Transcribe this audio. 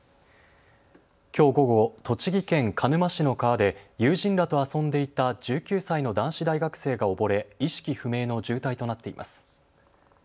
きょう午後、栃木県鹿沼市の川で友人らと遊んでいた１９歳の男子大学生が溺れ意識不明の重体となっています。